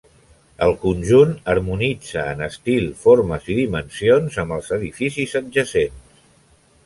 El conjunt harmonitza en estil, formes i dimensions amb els edificis adjacents.